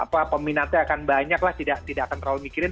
apakah peminatnya akan banyak tidak akan terlalu mikirin